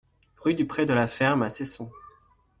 Rue du Pré de la Ferme à Cesson